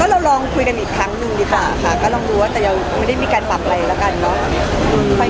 เราลองคุยกันอีกครั้งหนึ่งดีกว่าค่ะก็ลองรู้ว่าแต่ยังไม่ได้มีการปรับอะไรแล้วกันเนอะ